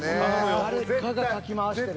誰かがかき回してる。